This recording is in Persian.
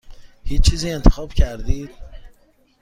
هیچ چیزی انتخاب کردید؟